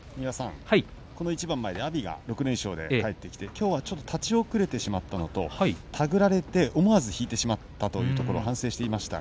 この一番前、阿炎が６連勝で帰ってきてきょうは立ち遅れてしまったのと手繰られて思わず引いてしまったというところを反省していました。